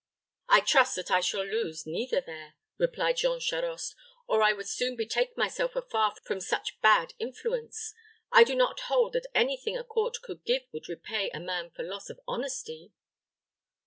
"I trust that I shall lose neither there," replied Jean Charost, "or I would soon betake myself afar from such bad influence. I do not hold that any thing a court could give would repay a man for loss of honesty."